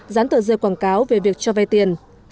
dán tờ rơi quảng cáo về việc cho vay tiền